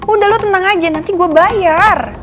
udah lu tenang aja nanti gue bayar